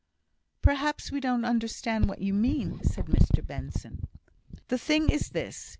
"Perhaps we don't understand what you mean," said Mr Benson. "The thing is this.